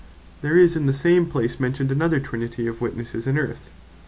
There is in the same place mentioned another Trinity of Witnesses in Earth.